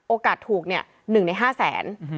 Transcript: โอกาสถูกเนี่ย๑ใน๕แสน